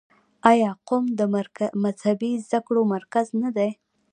آیا قم د مذهبي زده کړو مرکز نه دی؟